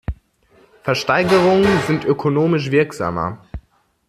Versteigerungen sind ökonomisch wirksamer.